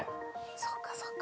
そうかそうか。